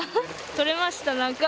取れました何か。